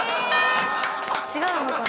違うのかな？